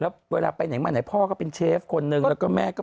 แล้วเวลาไปไหนมาไหนพ่อก็เป็นเชฟคนนึงแล้วก็แม่ก็